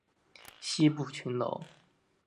西部群岛。